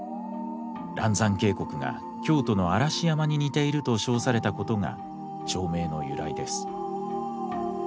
嵐山渓谷が京都の嵐山に似ていると称されたことが町名の由来です。